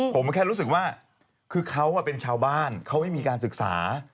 ผมแค่รู้สึกว่าคือเขาเป็นชาวบ้านเขาไม่มีการศึกษา